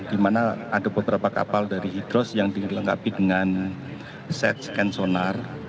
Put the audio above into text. di mana ada beberapa kapal dari hidros yang dilengkapi dengan set scan sonar